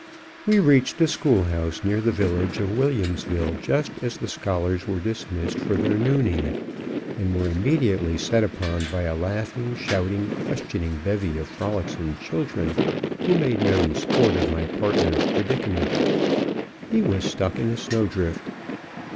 We reached a school house near the village of Williamsville just as the scholars were dismissed for their nooning, and were immediately set upon by a laughing, shouting, questioning bevy of frolicsome children, who made merry sport of my partner's predicament; he was stuck in a snow drift.